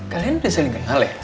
kalian sudah saling kenal ya